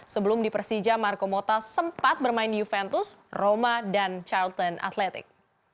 sebelum di persija marco mota sempat bermain di juventus roma dan charlton athletic